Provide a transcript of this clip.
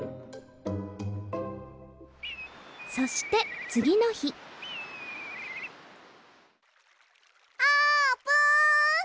そしてつぎのひあーぷん！